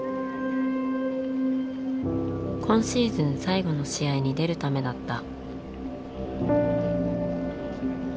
今シーズン最後の試合に出るためだった。